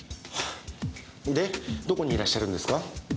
でどこにいらっしゃるんですか？